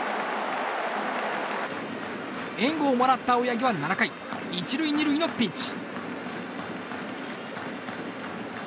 援護をもらった青柳は７回１塁２塁のピンチ。